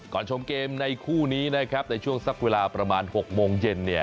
ชมเกมในคู่นี้นะครับในช่วงสักเวลาประมาณ๖โมงเย็นเนี่ย